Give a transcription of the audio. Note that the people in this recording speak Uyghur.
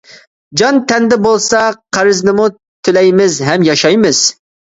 جان تەندە بولسا قەرزنىمۇ تۆلەيمىز ھەم ياشايمىز.